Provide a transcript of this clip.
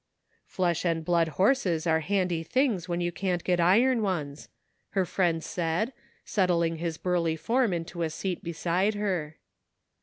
"Flesh and blood horses are handy things when you can't get iron ones," her friend said, settling his burly form into a seat beside her.